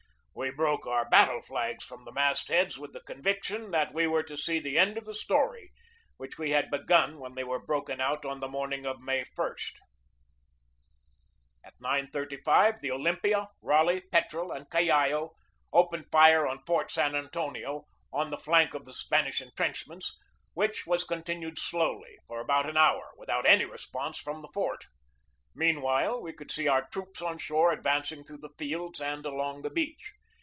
We broke our battle flags from the mast heads with the conviction that we were to see the end of the story which we had begun when they were broken out on the morning of May i. At 9.35 the Olympia, Raleigh, Petrel, and Callao opened fire on Fort San Antonio, on the flank of the Spanish intrenchments, which was continued slowly for about an hour, without any response from the fort. Meanwhile, we could see our troops on shore 278 GEORGE DEWEY advancing through the fields and along the beach.